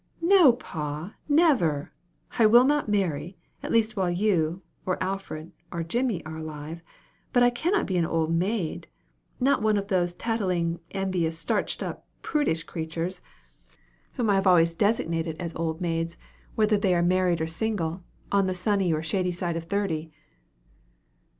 "No, pa, never! I will not marry, at least while you, or Alfred, or Jimmy, are alive; but I cannot be an old maid not one of those tattling, envious, starched up, prudish creatures, whom I have always designated as old maids, whether they are married or single on the sunny or shady side of thirty."